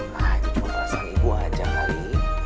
nah itu cuma perasaan ibu aja kali